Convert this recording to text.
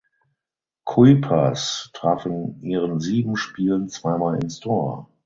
Kuipers traf in ihren sieben Spielen zweimal ins Tor.